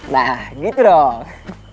nah gitu dong